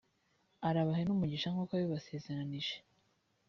arabahe n’umugisha nk’uko yabibasezeranyije.